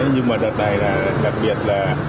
nhưng mà đợt này là đặc biệt là